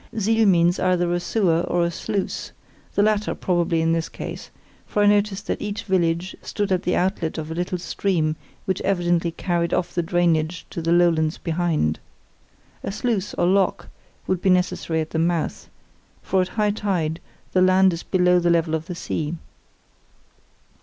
Siel means either a sewer or a sluice, the latter probably in this case, for I noticed that each village stood at the outlet of a little stream which evidently carried off the drainage of the lowlands behind. A sluice, or lock, would be necessary at the mouth, for at high tide the land is below the level of the sea.